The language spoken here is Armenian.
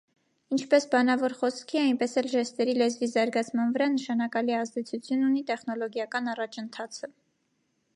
Ինչպես բանավոր խոսքի, այնպես էլ ժեստերի լեզվի զարգացման վրա նշանակալի ազդեցություն ունի տեխնոլոգիական առաջընթացը։